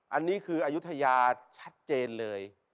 อันนี้คืออายุทยาชัดเจนเลย